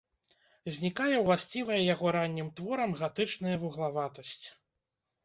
Знікае ўласцівая яго раннім творам гатычная вуглаватасць.